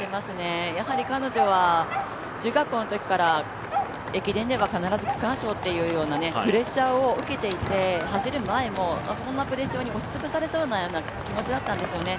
やはり彼女は中学校の頃から駅伝では必ず区間賞というプレッシャーを受けていて、走る前もそんなプレッシャーに押しつぶされそうな気持ちだったんですよね。